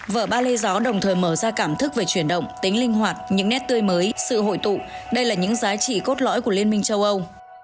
vở ba lê gió đồng thời mở ra cảm thức về chuyển động tính linh hoạt những nét tươi mới sự hội tụ đây là những giá trị cốt lõi của liên minh châu âu